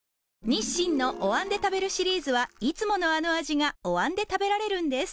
日清のお椀で食べるシリーズはいつものあの味がお椀で食べられるんです